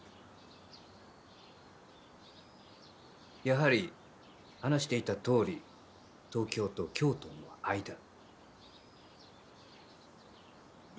やはり話していたとおり東京と京都の間。